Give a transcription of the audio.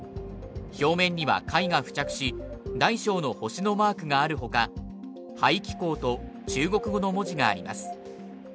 表面には貝が付着し、大小の星のマークがあるほか排気孔と中国語の文字があります。